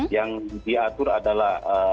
yang diatur adalah